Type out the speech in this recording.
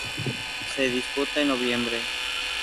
Se disputa en noviembre.